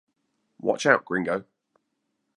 Watch Out Gringo!